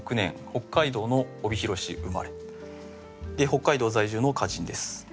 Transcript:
北海道在住の歌人です。